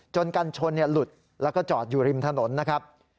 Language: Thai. กันชนหลุดแล้วก็จอดอยู่ริมถนนนะครับ